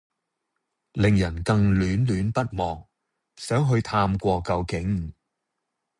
令人更戀戀不忘，想去探過究竟！